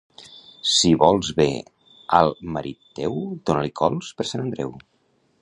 Si vols bé al marit teu, dona-li cols per Sant Andreu.